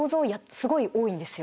すごい多いんですよ。